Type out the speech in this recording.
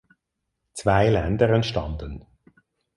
Zwei Länder entstanden.